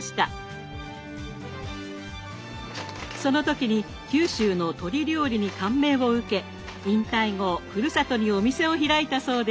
その時に九州の鶏料理に感銘を受け引退後ふるさとにお店を開いたそうです。